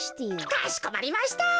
かしこまりました。